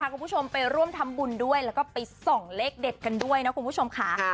คุณผู้ชมไปร่วมทำบุญด้วยแล้วก็ไปส่องเลขเด็ดกันด้วยนะคุณผู้ชมค่ะ